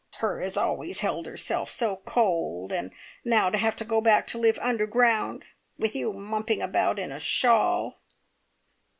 Her as always held herself so cold. And now to have to go back to live underground, with you mumping about in a shawl!"